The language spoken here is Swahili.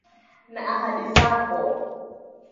Na ahadi zako.